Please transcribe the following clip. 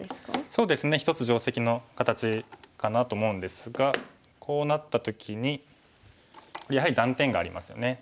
そうですね一つ定石の形かなと思うんですがこうなった時にやはり断点がありますよね。